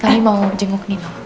kami mau jenguk nino